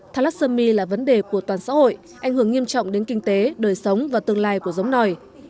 thalassomy là vấn đề của toàn xã hội ảnh hưởng nghiêm trọng đến kinh tế đời sống và tương lai của giống nòi